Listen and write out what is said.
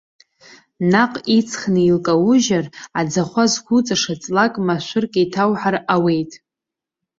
Наҟ иҵхны илкаужьыр, аӡахәа зқәуҵаша ҵлак, ма шәырк еиҭауҳар ауеит.